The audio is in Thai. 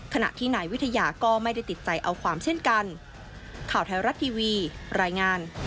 ขณะที่นายวิทยาก็ไม่ได้ติดใจเอาความเช่นกัน